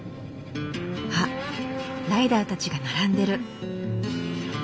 あっライダーたちが並んでる。